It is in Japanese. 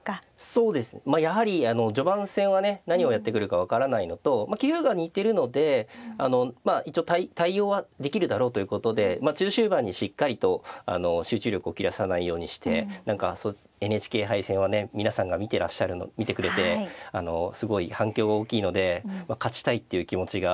そうですねやはり序盤戦はね何をやってくるか分からないのと棋風が似てるのであのまあ一応対応はできるだろうということで中終盤にしっかりと集中力を切らさないようにして何かＮＨＫ杯戦はね皆さんが見てくれてあのすごい反響が大きいので勝ちたいっていう気持ちがね